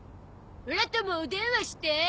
オラともお電話して。